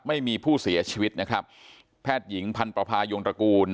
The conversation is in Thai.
ไม่มีผู้เสียชีวิตนะครับแพทย์หญิงพันธภายงตระกูล